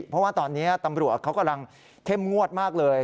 เพราะว่าตอนนี้ตำรวจเขากำลังเข้มงวดมากเลย